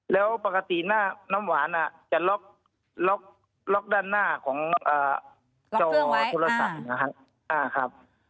แล้วปกติหน้าน้ำหวานจะล็อกด้านหน้าของจอโทรศัพท์นะครับ